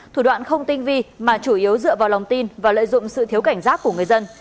thủ đoạn không tinh vi mà chủ yếu dựa vào lòng tin và lợi dụng sự thiếu cảnh giác của người dân